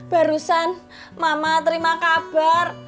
barusan mama terima kabar